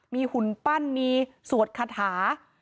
มีหุ่นปั้นมีสวดคาถา